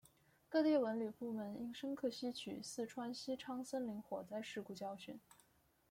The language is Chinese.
各地文旅部门应深刻吸取四川西昌森林火灾事故教训